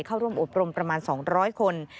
เข้าร่วมอบรมประมาณ๒๐๐คน